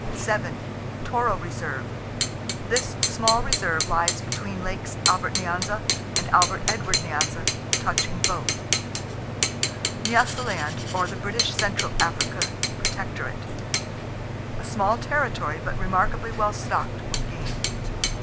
7. Toro Reserve.—This small reserve lies between Lakes Albert Nyanza and Albert Edward Nyanza, touching both. Nyasaland, Or The British Central Africa Protectorate. A small territory, but remarkably well stocked with game.